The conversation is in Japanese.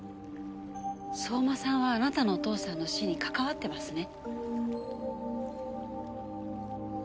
相馬さんはあなたのお父さんの死にかかわってますね？